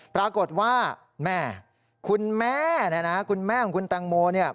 ปรากฏว่าแม่คุณแม่นะครับคุณแม่ของคุณแตงโม